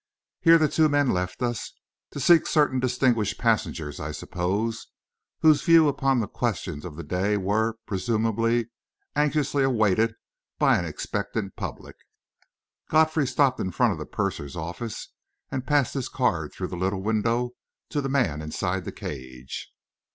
Here the two men left us, to seek certain distinguished passengers, I suppose, whose views upon the questions of the day were (presumably) anxiously awaited by an expectant public. Godfrey stopped in front of the purser's office, and passed his card through the little window to the man inside the cage.